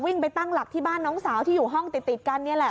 ไปตั้งหลักที่บ้านน้องสาวที่อยู่ห้องติดกันนี่แหละ